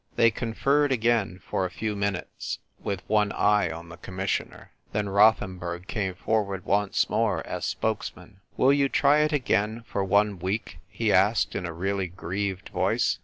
They conferred again for a few minutes, with one e3'e on the Commissioner. Then Rothenburg came forward once more as spokesman. "Will you try it again for one week?" he asked in a really grieved voice.